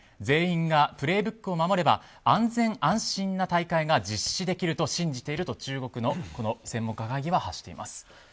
全員が「プレイブック」を守れば安心・安全な大会が実施できると信じていると中国の専門家会議は発しています。